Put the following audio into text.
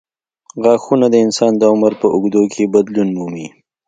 غاښونه د انسان د عمر په اوږدو کې بدلون مومي.